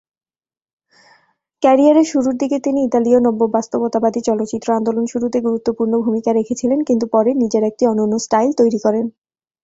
ক্যারিয়ারের শুরুর দিকে তিনি ইতালীয় নব্য-বাস্তবতাবাদী চলচ্চিত্র আন্দোলন শুরুতে গুরুত্বপূর্ণ ভূমিকা রেখেছিলেন, কিন্তু পরে নিজের একটি অনন্য স্টাইল তৈরি করেন।